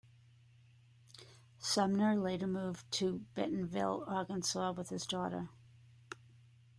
Sumner later moved to Bentonville, Arkansas with his daughter.